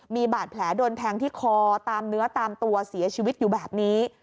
มีบาดแผลโดนแทงที่คอตามเนื้อตามตัวเสียชีวิตอยู่แบบนี้